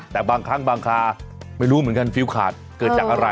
แต่บางครั้งบางคาไม่รู้เหมือนกันฟิวขาดเกิดจากอะไร